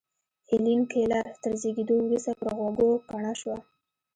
هېلېن کېلر تر زېږېدو وروسته پر غوږو کڼه شوه